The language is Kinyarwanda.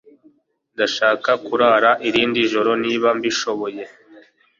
Ndashaka kurara irindi joro niba mbishoboye